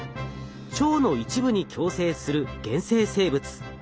腸の一部に共生する原生生物。